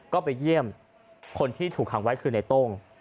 ก็ไปเยี่ยมคนที่ถูกขังไว้คือในโต้ง